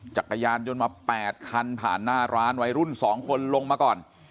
จักรยานยนต์มา๘คันผ่านหน้าร้านวัยรุ่น๒คนลงมาก่อน